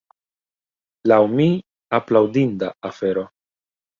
Lau mi aplaudinda afero.